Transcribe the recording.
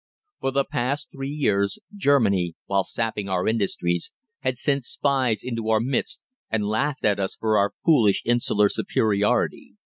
For the past three years Germany, while sapping our industries, had sent spies into our midst, and laughed at us for our foolish insular superiority.